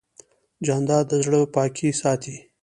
جانداد د زړه پاکي ساتي.